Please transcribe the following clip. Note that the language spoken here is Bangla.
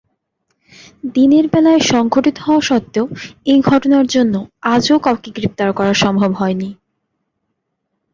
দিনের বেলায় সংঘটিত হওয়া সত্বেও এই ঘটনার জন্য আজও কাউকে গ্রেপ্তার করা সম্ভব হয়নি।